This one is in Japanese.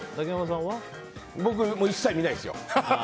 僕、一切見ないですよ。